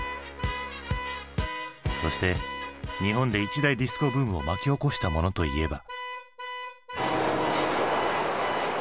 そして日本で一大ディスコブームを巻き起こしたものといえば。